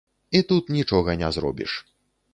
І тут нічога не зробіш.